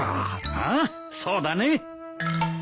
ああそうだね。